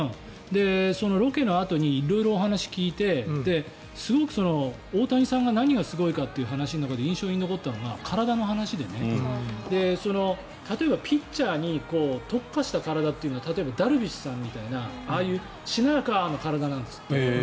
ロケのあとにお話を聞いてすごく大谷さんが何がすごいかという話の中で印象に残ったのが体の話で、例えばピッチャーに特化した体というのは例えばダルビッシュさんみたいなしなやかな体なんですって。